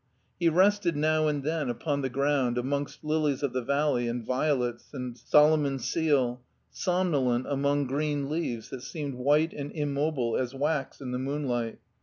He rested now and then upon the ground aniongst lilies of the valley and violets and Solomon seal, somnolent among green leaves that seemed white and immobile as wax in the moonlight.